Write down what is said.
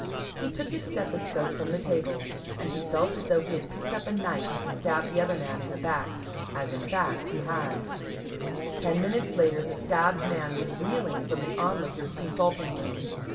He took his stethoscope from the table, and he felt as though he had picked up a knife to stab the other man in the back. As, in fact, he had. Ten minutes later, the stabbed man was reeling from the Onlooker's consulting room.